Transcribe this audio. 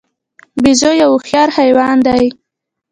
بیزو یو هوښیار حیوان دی.